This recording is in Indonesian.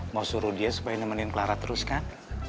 mau suruh dia supaya nemenin clara terus kan